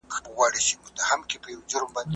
بې هیمه اوسپنه په بوټو کې وي.